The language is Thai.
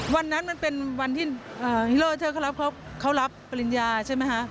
วันนั้นมันเป็นวันที่ฮีโร่เธอเขารับปริญญาใช่ไหมคะ